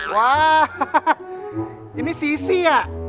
wah ini sisi ya